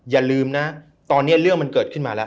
อย่าลืมนะตอนนี้เรื่องมันเกิดขึ้นมาแล้ว